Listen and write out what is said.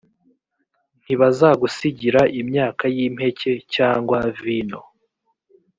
ntibazagusigira imyaka y’ impeke cyangwa vino